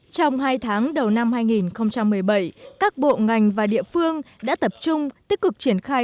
trong hai tháng đầu năm hai nghìn một mươi bảy các bộ ngành và địa phương đã tập trung tích cực triển khai